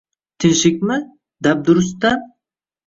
Tinchlikmi? Dabdurustdan.